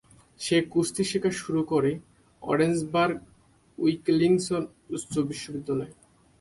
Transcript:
সে কুস্তি শেখা শুরু করে অরেঞ্জবার্গ-উইল্কিনসন উচ্চ বিদ্যালয়ে।